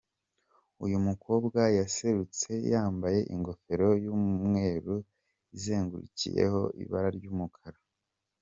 Uyu mukobwa yaserutse yambaye ingofero y'umweru izengurukijeho ibara ry'umukara.